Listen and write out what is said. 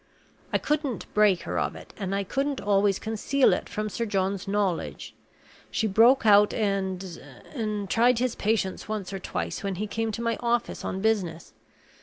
I couldn't break her of it, and I couldn't always conceal it from Sir John's knowledge. She broke out, and and tried his patience once or twice, when he came to my office on business.